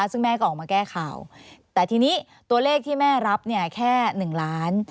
ซึ่งแม่ก็ออกมาแก้ข่าวแต่ทีนี้ตัวเลขที่แม่รับเนี่ยแค่๑ล้าน